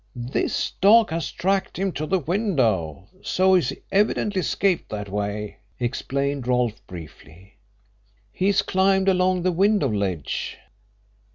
"This dog has tracked him to the window, so he's evidently escaped that way," explained Rolfe briefly. "He's climbed along the window ledge."